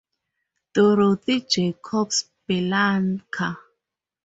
Dorothy Jacobs Bellanca.